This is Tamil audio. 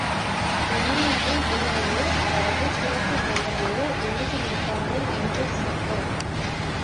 லெனினது பெயரையோ, அவரது சிறப்புப் பெயரையோ எழுதியிருப்பார்கள் என்று நினைத்தோம்.